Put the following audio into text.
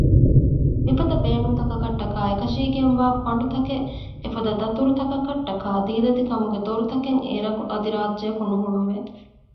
މިފަދަ ބޭނުންތަކަށްޓަކައި އެކަށީގެންވާ ފަންޑުތަކެއް އެފަދަ ދަތުރުތަކަށްޓަކައި ދީލަތި ކަމުގެ ދޮރުތަކެއް އޭރަކު އަދި ރާއްޖެއަކު ނުހުޅުވެ